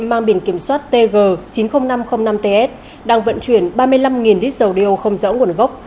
mang biển kiểm soát tg chín mươi nghìn năm trăm linh năm ts đang vận chuyển ba mươi năm lít dầu đeo không rõ nguồn gốc